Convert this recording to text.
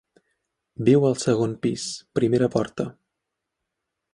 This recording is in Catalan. Viu al segon pis, primera porta.